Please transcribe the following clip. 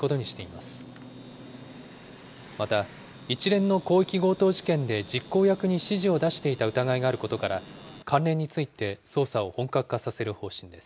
また、一連の広域強盗事件で実行役に指示を出していた疑いがあることから、関連について捜査を本格化させる方針です。